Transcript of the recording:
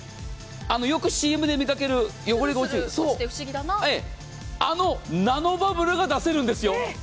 よくＣＭで見かける汚れが落ちるあのナノバブルが出せるんです。